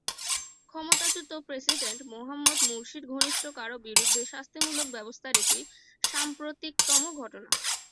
ক্ষমতাচ্যুত president Mohammad মুরসির ঘনিষ্ঠ কারও বিরুদ্ধে শাস্তিমূলক ব্যবস্থার এটি সাম্প্রতিকতম ঘটনা।